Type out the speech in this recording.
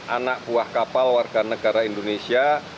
anak buah kapal warga negara indonesia